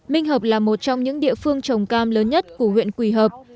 minh hợp là một trong những địa phương trồng cam lớn nhất của huyện quỳ hợp